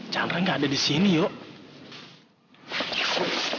chandra nggak ada di sini yuk